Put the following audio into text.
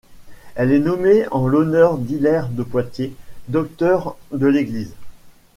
Elle est nommée en l'honneur d'Hilaire de Poitiers, docteur de l'Église.